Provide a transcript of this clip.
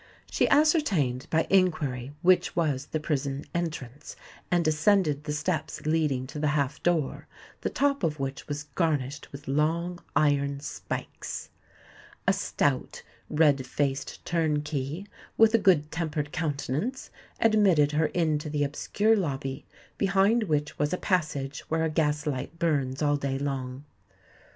She ascertained, by inquiry, which was the prison entrance, and ascended the steps leading to the half door, the top of which was garnished with long iron spikes. A stout, red faced turnkey, with a good tempered countenance, admitted her into the obscure lobby, behind which was a passage where a gas light burns all day long.